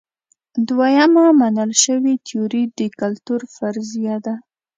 دویمه منل شوې تیوري د کلتور فرضیه ده.